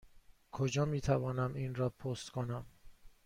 کجا می توانم این را پست کنم؟